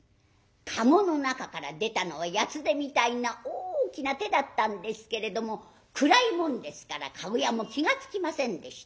駕籠の中から出たのはヤツデみたいな大きな手だったんですけれども暗いもんですから駕籠屋も気が付きませんでした。